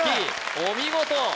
お見事！